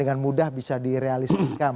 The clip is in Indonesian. dengan mudah bisa direalistikan